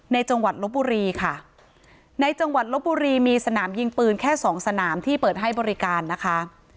จังหวัดลบบุรีค่ะในจังหวัดลบบุรีมีสนามยิงปืนแค่สองสนามที่เปิดให้บริการนะคะ